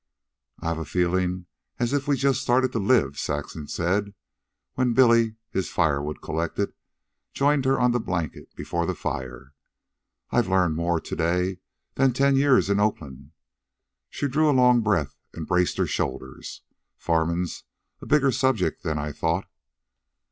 "I've a feeling as if we've just started to live," Saxon said, when Billy, his firewood collected, joined her on the blankets before the fire. "I've learned more to day than ten years in Oakland." She drew a long breath and braced her shoulders. "Farming's a bigger subject than I thought."